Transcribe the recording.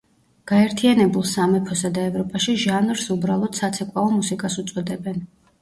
გაერთიანებულ სამეფოსა და ევროპაში ჟანრს უბრალოდ საცეკვაო მუსიკას უწოდებენ.